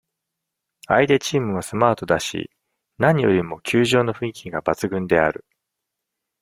相手チームもスマートだし、何よりも、球場の雰囲気が抜群である。